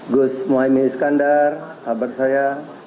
gus mohaimin iskandar sahabat saya